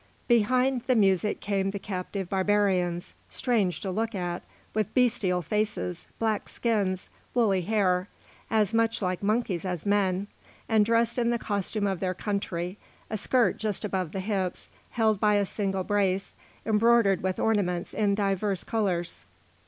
Behind the music came the captive barbarians, strange to look at, with bestial faces, black skins, woolly hair, as much like monkeys as men, and dressed in the costume of their country, a skirt just above the hips held by a single brace, embroidered with ornaments in divers colours.